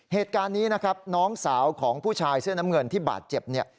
เหตุการณ์นี้นะครับน้องสาวของผู้ชายเสื้อน้ำเงินที่บาดเจ็บเนี่ย